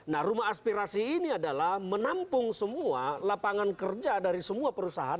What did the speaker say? nah rumah aspirasi ini adalah menampung semua lapangan kerja dari semua perusahaan